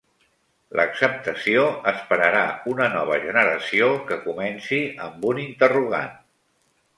L'acceptació esperarà una nova generació que comenci amb un interrogant.